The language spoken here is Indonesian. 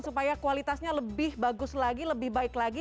supaya kualitasnya lebih bagus lagi lebih baik lagi